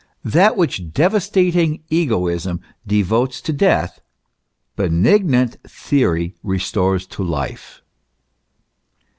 That which devastating egoism devotes to death, benignant theory restores to life.